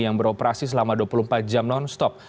yang beroperasi selama dua puluh empat jam non stop